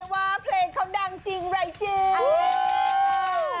ว่าเพลงเขาดังจริงอะไรจริง